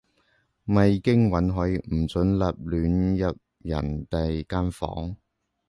未經允許，唔准立亂入人哋間房